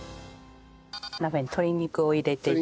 鍋に鶏肉を入れて頂いて。